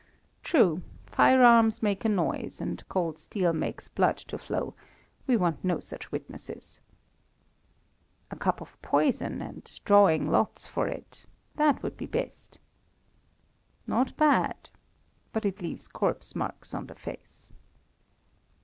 "True, firearms make a noise, and cold steel makes blood to flow; we want no such witnesses." "A cup of poison, and drawing lots for it that would be best." "Not bad; but it leaves corpse marks on the face."